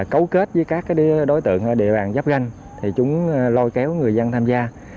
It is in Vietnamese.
cấu kết với các đối tượng ở địa bàn giáp ganh chúng lôi kéo người dân tham gia